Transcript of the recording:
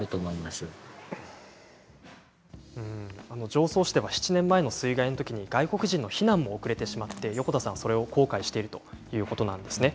常総市では７年前の水害のときに外国人の避難が遅れてしまって横田さんはそれを後悔しているということなんですね。